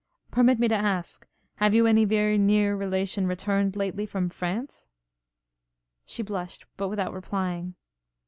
Permit me to ask have you any very near relation returned lately from France?' She blushed, but without replying.